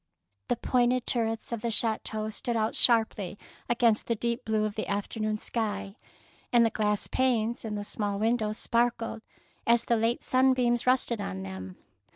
The pointed turrets of the chateau stood out sharply against the deep blue of the afternoon sky, and the glass panes in the small windows sparkled as the late sunbeams rested on them.